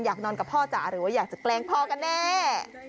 นอนกับพ่อจ๋าหรือว่าอยากจะแกล้งพ่อกันแน่